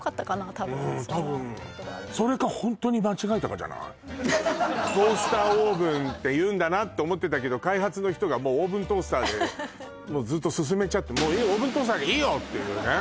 多分うん多分「トースターオーブン」って言うんだなって思ってたけど開発の人がもう「オーブントースター」でずっと進めちゃってもう「オーブントースター」でいいよ！っていうね